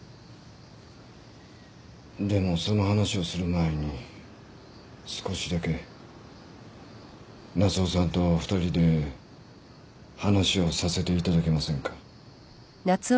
でもその話をする前に少しだけ夏雄さんと２人で話をさせていただけませんか？